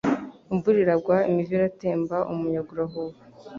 Imvura iragwa imivu iratemba, umuyaga urahuha,